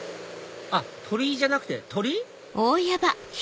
あっ鳥居じゃなくて鳥？